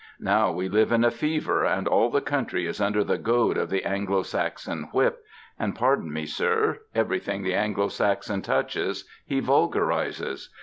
Now we live in a fever and all the country is under the goad of the Anglo Saxon whip; and pardon me sir, everything the Anglo Saxon touches he vulgarizes.